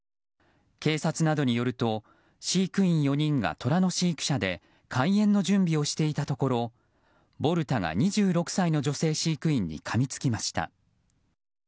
警察などによると飼育員４人がトラの飼育舎で開園の準備をしていたところボルタが２６歳の女性飼育員にかみつきました。